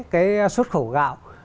cái xuất khẩu gạo